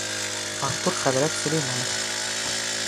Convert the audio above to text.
Артур хәҙрәт Сөләймәнов: